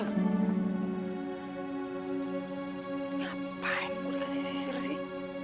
ngapain gue kasih sisir sih